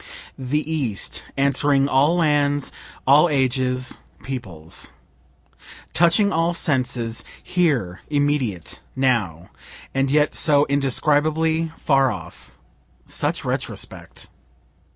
The East, answering all lands, all ages, peoples; touching all senses, here, immediate, now and yet so indescribably far off such retrospect!